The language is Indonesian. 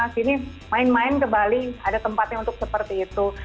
sini main main ke bali ada tempatnya untuk seperti itu